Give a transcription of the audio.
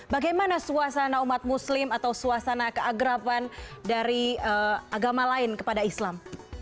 bagaimana suasana umat muslim atau suasana keagrafan dari agama lain kepada islam